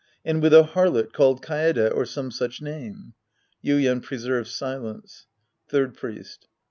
And with a harlot called Kaede or some such name. (Yuien preserves silence.) Third Priest.